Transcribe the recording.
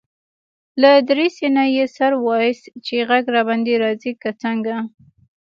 له دريڅې نه يې سر واېست چې غږ له باندي راځي که څنګه.